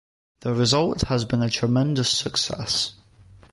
The result has been a tremendous success.